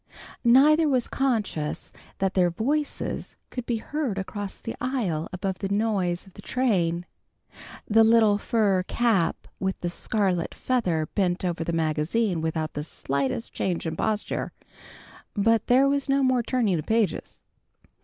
Neither was conscious that their voices could be heard across the aisle above the noise of the train. The little fur cap with the scarlet feather bent over the magazine without the slightest change in posture, but there was no more turning of pages.